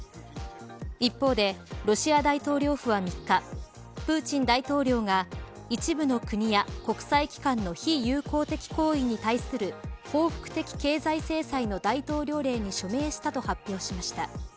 一方で、ロシア大統領府は３日プーチン大統領が一部の国や国際機関の非友好的行為に対する報復的経済制裁の大統領令に署名したと発表しました。